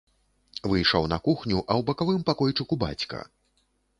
Выйшаў на кухню, а ў бакавым пакойчыку бацька.